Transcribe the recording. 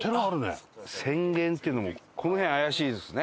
泉源っていうのもこの辺怪しいですね